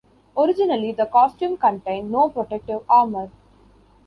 Originally the costume contained no protective armor.